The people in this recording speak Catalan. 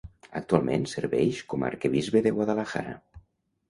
Actualment serveix com a arquebisbe de Guadalajara.